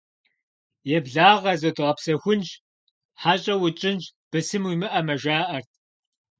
«Еблагъэ, зодгъэгъэпсэхунщ, хьэщӀэ утщӀынщ, бысым уимыӀэмэ!» - жаӀэрт.